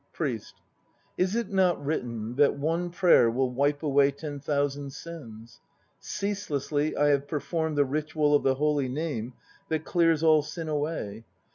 PRIEST. Is it not written that one prayer will wipe away ten thousand sins? Ceaselessly I have performed the ritual of the Holy Name that clears all sin away.